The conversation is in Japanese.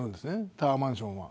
タワーマンションは。